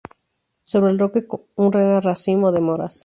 Sobre el roque una racimo de moras.